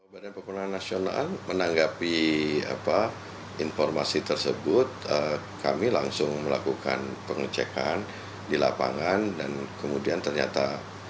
badan pemenangan nasional menanggapi informasi tersebut kami langsung melakukan pengecekan di lapangan dan kemudian ternyata